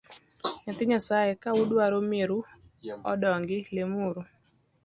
Nyithii nyasae ka udwaro mier u odong’i lem uru